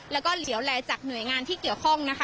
แล้วก็เหลวแลจากหน่วยงานที่เกี่ยวข้องนะคะ